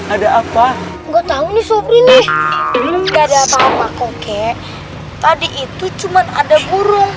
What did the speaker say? ada apa enggak tahu nih suap ini enggak ada apa apa kok tadi itu cuman ada burung